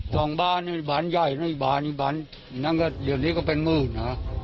ส่องบ้านบานใหญ่บ้านอีกบ้านอย่างนี้ก็เป็นหมืน